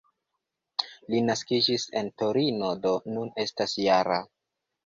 Li naskiĝis en Torino, do nun estas -jara.